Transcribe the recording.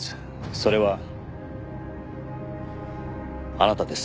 それはあなたです。